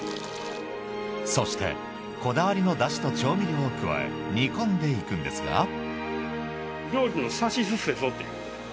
そしてこだわりのだしと調味料を加え煮込んでいくんですが。